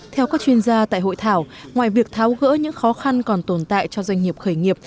theo các chuyên gia tại hội thảo ngoài việc tháo gỡ những khó khăn còn tồn tại cho doanh nghiệp khởi nghiệp